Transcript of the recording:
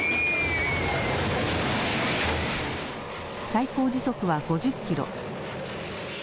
最高時速は５０キロ。